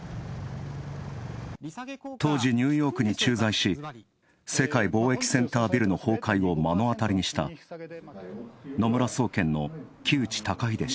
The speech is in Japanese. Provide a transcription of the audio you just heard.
当時ニューヨークに駐在し世界貿易センタービルの崩壊を目の当たりにした野村総研の木内登英氏。